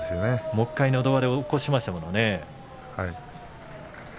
もう１回のど輪で起こしましたものね。